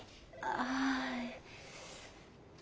ああ。